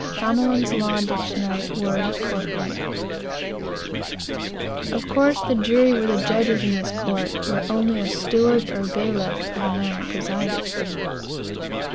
Tomline's Law Dict., word Court Leet. Of course the jury were the judges in this court, where only a "steward" or "bailiff" of a manor presided.